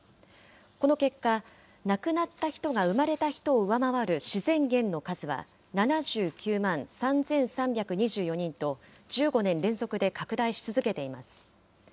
この結果、亡くなった人が生まれた人を上回る自然減の数は７９万３３２４人と、１５年連続で拡大し続けています。